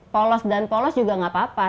polos dan polos juga nggak apa apa